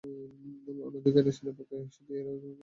অন্যদিকে আইনস্টাইনের পক্ষে শুধু এরইউন শ্রোডিঙ্গার।